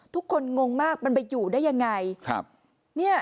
ทุกคนงงมากมันไปอยู่ได้ยังไง